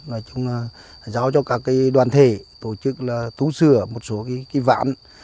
nói chung là giao cho các đoàn thể tổ chức là tú sửa một số cái ván